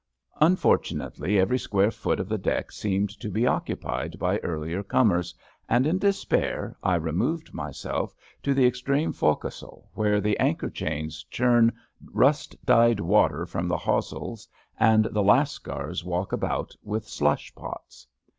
Unfortunately, every square foot of the deck seemed to be occupied by earlier comers, and in despair I removed myself to the extreme fo'c'sle, where the anchor chains churn rust dyed water from the hawseholes and the lascars walk about with slushpots.